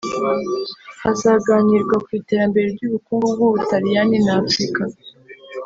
Hazaganirwa ku iterambere ry’ubukungu bw’u Butaliyani na Afurika